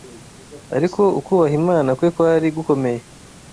ariko ukubaha Imana kwe kwari gukomeye